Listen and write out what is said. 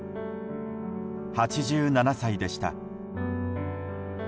８７歳でした。